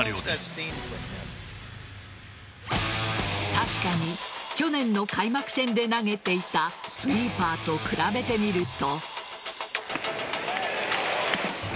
確かに去年の開幕戦で投げていたスイーパーと比べてみると。